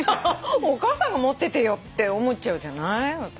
お母さんが持っててよって思っちゃうじゃない。